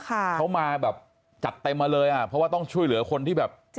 เขามาแบบจัดเต็มมาเลยอ่ะเพราะว่าต้องช่วยเหลือคนที่แบบ